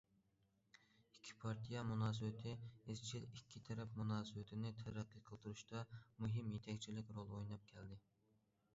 ئىككى پارتىيە مۇناسىۋىتى ئىزچىل ئىككى تەرەپ مۇناسىۋىتىنى تەرەققىي قىلدۇرۇشتا مۇھىم يېتەكچىلىك رول ئويناپ كەلدى.